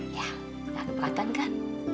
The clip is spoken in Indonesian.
iya gak keberatan kan